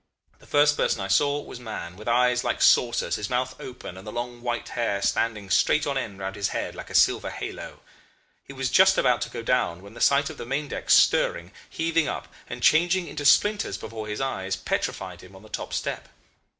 The first person I saw was Mahon, with eyes like saucers, his mouth open, and the long white hair standing straight on end round his head like a silver halo. He was just about to go down when the sight of the main deck stirring, heaving up, and changing into splinters before his eyes, petrified him on the top step.